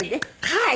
はい。